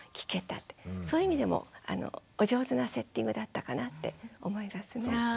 そういう意味でもお上手なセッティングだったかなって思いますね。